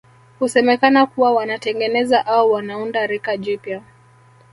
Husemekana kuwa wanatengeneza au wanaunda rika jipya